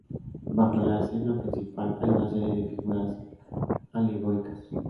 Bajo la escena principal hay una serie de figuras alegóricas.